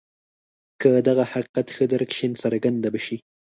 که دغه حقیقت ښه درک شي څرګنده به شي.